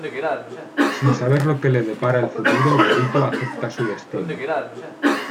Sin saber lo que le depara el futuro, Boruto acepta su destino.